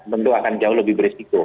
tentu akan jauh lebih beresiko